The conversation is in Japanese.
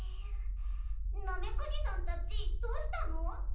ナメクジさんたちどうしたの？